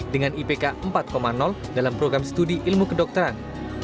dengan ipk empat dalam program studi ilmu kedokteran